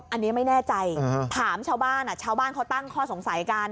อันนี้ไม่แน่ใจถามชาวบ้านชาวบ้านเขาตั้งข้อสงสัยกัน